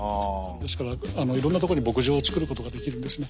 ですからいろんなところに牧場をつくることができるんですね。